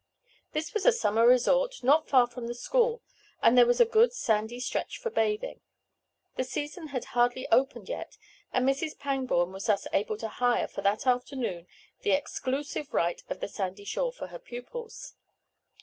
This was a summer resort not far from the school, and there was a good sandy stretch for bathing. The season had hardly opened yet, and Mrs. Pangborn was thus able to hire for that afternoon the exclusive right of the sandy shore for her pupils.